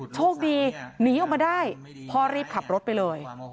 โชคดีหนีออกมาได้พ่อรีบขับรถไปเลย